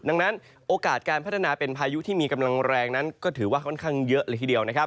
ดังนั้นโอกาสการพัฒนาเป็นพายุที่มีกำลังแรงนั้นก็ถือว่าค่อนข้างเยอะเลยทีเดียวนะครับ